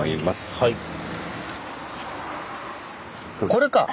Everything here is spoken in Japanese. これか！